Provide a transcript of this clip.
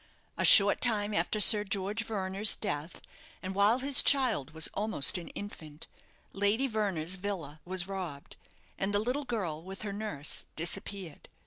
A short time after Sir George Verner's death, and while his child was almost an infant, Lady Verner's villa was robbed, and the little girl, with her nurse, disappeared.